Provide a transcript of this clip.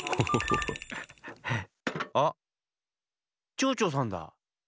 ちょうちょうさんだ。